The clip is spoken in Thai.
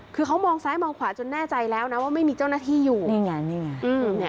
คือเขามองซ้ายมองขวาจนแน่ใจแล้วนะว่าไม่มีเจ้าหน้าที่อยู่นี่ไงนี่ไง